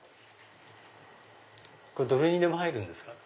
どれにでも入るんですか？